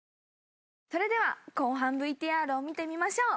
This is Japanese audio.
それでは後半のＶＴＲを見てみましょう。